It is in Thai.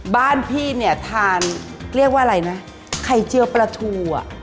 บ้านพี่เนี่ยทานเรียกว่าอะไรนะไข่เจือปลาทูอ่ะ